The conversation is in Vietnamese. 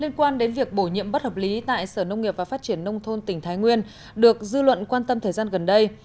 liên quan đến việc bổ nhiệm bất hợp lý tại sở nông nghiệp và phát triển nông thôn tỉnh thái nguyên được dư luận quan tâm thời gian gần đây